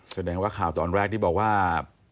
แสดงว่าข่าวตอนแรกที่บอกว่า